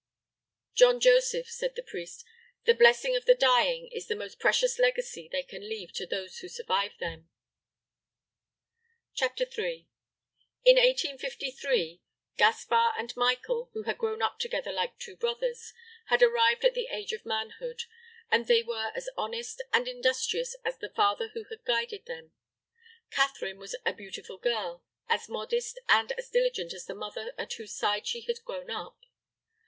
"John Joseph," said the priest, "the blessing of the dying is the most precious legacy they can leave to those who survive them." CHAPTER III. In 1853, Gaspar and Michael, who had grown up together like two brothers, had arrived at the age of manhood; and they were as honest and industrious as the father who had guided them. Catherine was a beautiful girl, as modest and as diligent as the mother at whose side she had grown up.